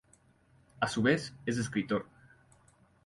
A su vez, es escritor.